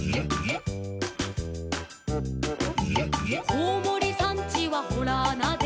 「こうもりさんちはほらあなで」